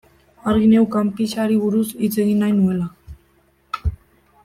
Argi neukan pixari buruz hitz egin nahi nuela.